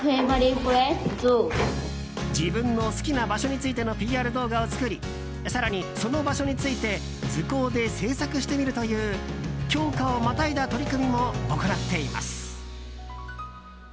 自分の好きな場所についてのＰＲ動画を作り更に、その場所について図工で制作してみるという教科をまたいだ取り組みも行っています。